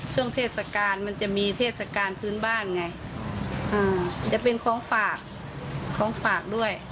ช่วงเทศกาลมันจะมีเทศกาลพื้นบ้านไงจะเป็นของฝากของฝากด้วย